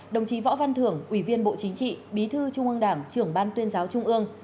đồng chí võ văn thưởng ủy viên bộ chính trị bí thư trung ương đảng trưởng ban tuyên giáo trung ương